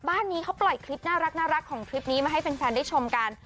บ้านนี้เขาปล่อยคลิปน่ารักของคลิปนี้มาให้แฟนได้ชมกัน